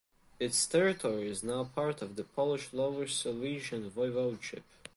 Its territory is now part of the Polish Lower Silesian Voivodeship.